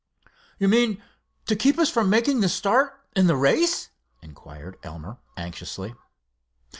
"You mean, to keep us from making the start in the race?" inquired Elmer, anxiously.